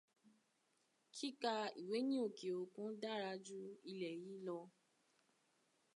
Kíkà ìwé ní òkè-òkun dára ju ilè yìí lọ.